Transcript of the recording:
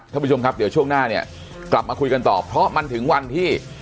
ท่านผู้ชมครับเดี๋ยวช่วงหน้าเนี่ยกลับมาคุยกันต่อเพราะมันถึงวันที่